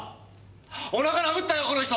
お腹殴ったよこの人！